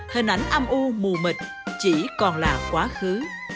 hình ảnh âm u mù mịt chỉ còn là quá khứ